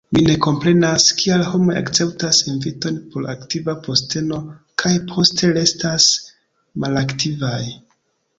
Mi ne komprenas, kial homoj akceptas inviton por aktiva posteno kaj poste restas malaktivaj.